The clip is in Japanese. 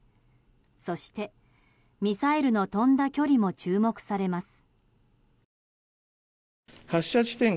そして、ミサイルの飛んだ距離も注目されます。